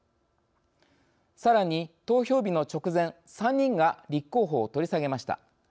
さらに、投票日の直前３人が立候補を取り下げました。